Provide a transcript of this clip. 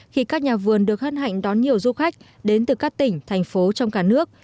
khi các nhà vườn được hân hạnh đón nhiều du khách đến từ các tỉnh thành phố trong cả nước